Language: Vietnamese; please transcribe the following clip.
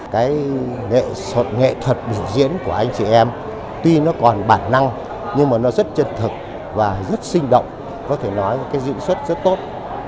cái nghệ thuật biểu diễn của anh chị em tuy nó còn bản năng nhưng mà nó rất chân thực và rất sinh động có thể nói cái diễn xuất rất tốt